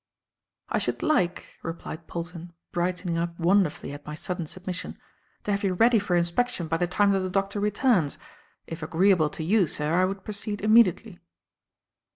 "I should like," replied Polton, brightening up wonderfully at my sudden submission, "to have you ready for inspection by the time that the Doctor returns. If agreeable to you, sir, I would proceed immediately."